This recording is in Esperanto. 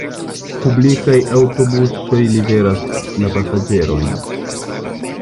Publikaj aŭtobusoj liveras la pasaĝerojn.